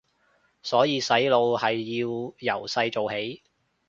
所以洗腦係要由細做起